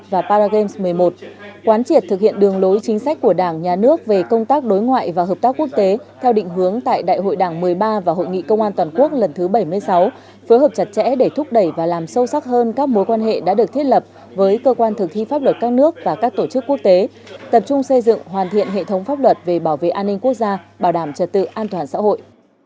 và paragames một mươi một quán triệt thực hiện đường lối chính sách của đảng nhà nước về công tác đối ngoại và hợp tác quốc tế theo định hướng tại đại hội đảng một mươi ba và hội nghị công an toàn quốc lần thứ bảy mươi sáu phối hợp chặt chẽ để thúc đẩy và làm sâu sắc hơn các mối quan hệ đã được thiết lập với cơ quan thực thi pháp luật các nước và các tổ chức quốc tế tập trung xây dựng hoàn thiện hệ thống pháp luật về bảo vệ an ninh quốc gia bảo đảm trật tự an toàn xã hội